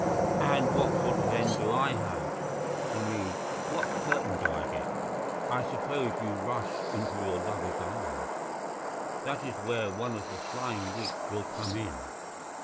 "And what sort of end do I have? I mean, what curtain do I get?" "I suppose you rush into your lover's arms. That is where one of the flying leaps will come in."